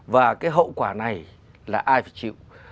và cái hậu quả này là ai phải chịu